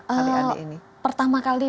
adik adik ini pertama kali